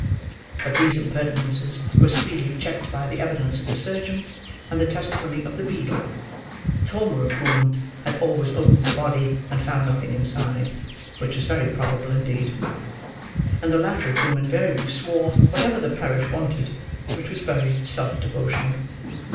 But these impertinences were speedily checked by the evidence of the surgeon, and the testimony of the beadle; the former of whom had always opened the body and found nothing inside (which was very probable indeed), and the latter of whom invariably swore whatever the parish wanted; which was very self devotional.